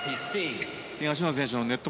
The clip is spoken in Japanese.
東野選手のネット